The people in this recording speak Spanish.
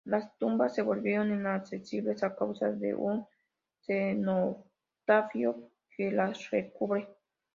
Las tumbas se volvieron inaccesibles a causa de un cenotafio que las recubre.